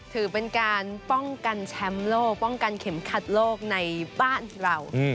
ถือเป็นการป้องกันแชมป์โลกป้องกันเข็มขัดโลกในบ้านเรา